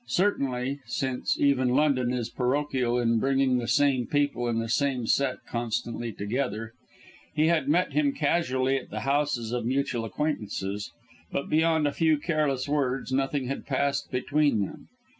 Certainly since even London is parochial in bringing the same people in the same set constantly together he had met him casually at the houses of mutual acquaintances, but beyond a few careless words, nothing had passed between them.